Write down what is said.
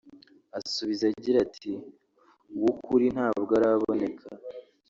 asubiza agira ati “Uw’ukuri ntabwo araboneka